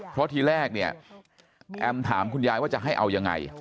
เพราะทีแรกเนี่ยแอมถามคุณยายว่าจะให้เอายังไง